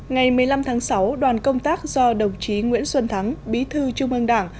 ngày một mươi năm tháng sáu đoàn công tác do đồng chí nguyễn xuân thắng bí thư trung ương đảng